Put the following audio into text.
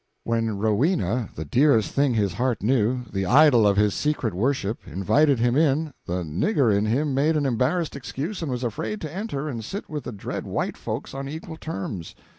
When Rowena, the dearest thing his heart knew, the idol of his secret worship, invited him in, the "nigger" in him made an embarrassed excuse and was afraid to enter and sit with the dread white folks on equal terms.